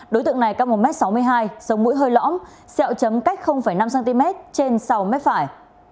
đối tượng này cắt một m sáu mươi hai sống mũi hơi lõm xẹo chấm cách năm cm trên sau mết phải